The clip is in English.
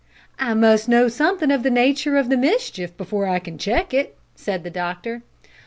"I must know something about the nature of the mischief before I can check it," said the doctor.